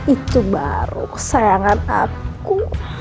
itu baru sayangan aku